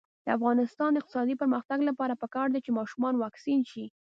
د افغانستان د اقتصادي پرمختګ لپاره پکار ده چې ماشومان واکسین شي.